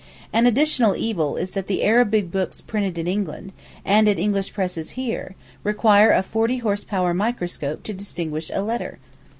An additional evil is that the Arabic books printed in England, and at English presses here, require a 40 horse power microscope to distinguish a letter.